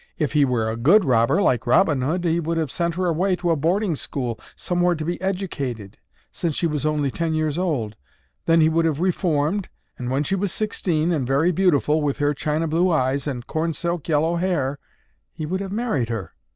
"If he were a good robber like Robin Hood, he would have sent her away to a boarding school somewhere to be educated, since she was only ten years old. Then he would have reformed, and when she was sixteen and very beautiful with her china blue eyes and corn silk yellow hair, he would have married her."